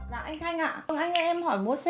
dạ anh thanh ạ thường anh nghe em hỏi mua xe ạ